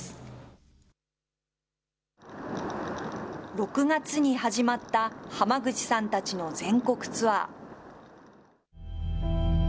６月に始まったハマグチさんたちの全国ツアー。